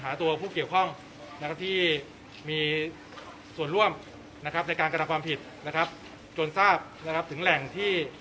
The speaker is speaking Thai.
หาตัวผู้เกี่ยวข้องที่มีส่วนร่วมในการกำลังความผิดจนทราบนะครับถึงแหล่งที่